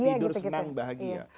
tidur senang bahagia